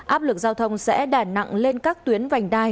áp lực giao thông sẽ đà nặng lên các tuyến vành đai